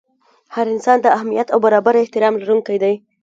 هر انسان د اهمیت او برابر احترام لرونکی دی.